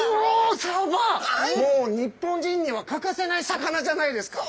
もう日本人には欠かせない魚じゃないですか。